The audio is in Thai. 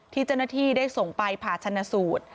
ที่เจ้าหน้าที่ได้ส่งไปผ่าชนะสูตร